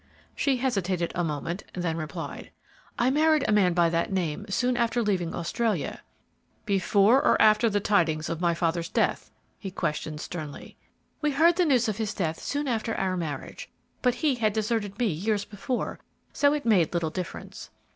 She hesitated a moment, then replied: "I married a man by that name soon after leaving Australia." "Before or after the tidings of my father's death?" he questioned, sternly. "We heard the news of his death soon after our marriage, but he had deserted me years before, so it made little difference.